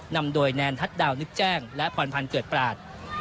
นำโดยแนนทัศน์ดาวนึกแจ้งและพรพันธ์เกิดปราศ